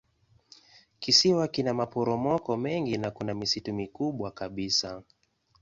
Kisiwa kina maporomoko mengi na kuna misitu mikubwa kabisa.